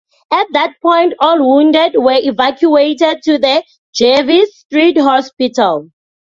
At that point all wounded were evacuated to the Jervis Street Hospital.